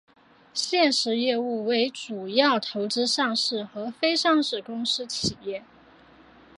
现时业务为主要投资上市和非上市公司企业。